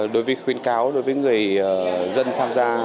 đối với khuyến cáo đối với người dân tham gia